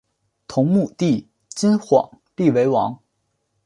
同母弟金晃立为王。